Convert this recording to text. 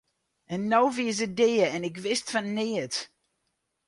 En no wie se dea en ik wist fan neat!